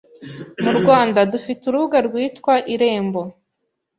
Mu Rwanda dufite urubuga rwitwa Irembo,